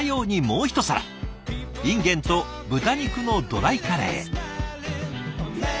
いんげんと豚肉のドライカレー。